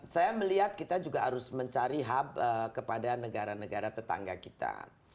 saya melihat kita juga harus mencari hub kepada negara negara tetangga kita